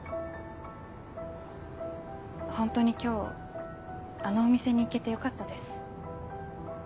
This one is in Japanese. ホントに今日あのお店に行けてよかったです。